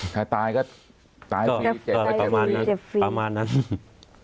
ถ้าตายก็ตายให้ฟรีเจ็บฟรี